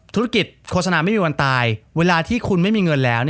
โฆษณาไม่มีวันตายเวลาที่คุณไม่มีเงินแล้ว